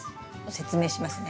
説明しますね。